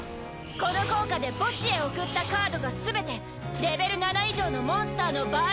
この効果で墓地へ送ったカードがすべてレベル７以上のモンスターの場合